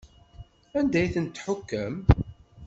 Anda ay tent-tḥukkem?